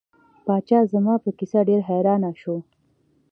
پاچا زما په کیسه ډیر حیران شو.